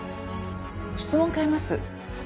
質問を変えます。